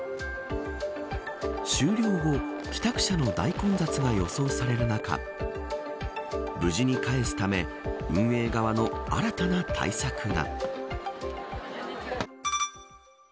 終了後、帰宅者の大混雑が予想される中無事に帰すため運営側の新たな対策が。